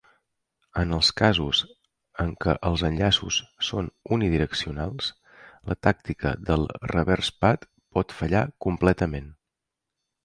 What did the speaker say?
En els casos en que els enllaços són unidireccionals, la tàctica del "reverse path" pot fallar completament.